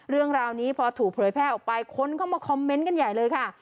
เรื่องราวนี้พอถูกเผยแพร่ออกไปคนเข้ามาคอมเมนต์กันใหญ่เลยค่ะ